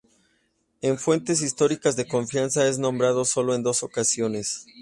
En fuentes históricas de confianza es nombrado sólo en dos ocasiones.